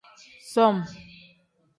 Som.